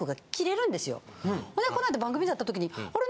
ほんでこないだ番組で会った時にあれ？